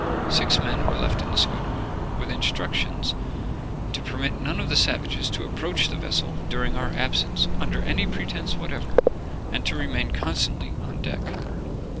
Six men were left in the schooner, with instructions to permit none of the savages to approach the vessel during our absence, under any pretence whatever, and to remain constantly on deck.